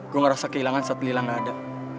gua ngerasa kehilangan saat lila gak ada